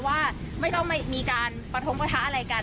ว่าไม่ต้องมีการประทงประทะอะไรกัน